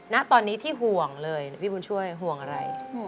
ณตอนนี้ที่ห่วงเลยพี่บุญช่วยห่วงอะไร